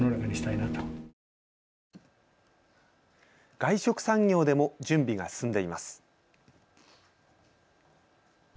外食産業でも準備が進んでいます。